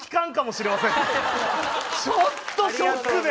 ちょっとショックで。